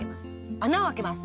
穴をあけます。